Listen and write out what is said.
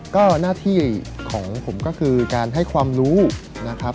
ก็หน้าที่ของผมก็คือการให้ความรู้นะครับ